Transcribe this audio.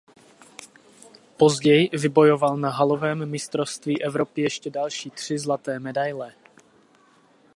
Později vybojoval na halovém mistrovství Evropy ještě další tři zlaté medaile.